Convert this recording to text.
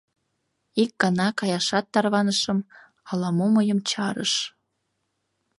Ик гана каяшат тарванышым — ала-мо мыйым чарыш...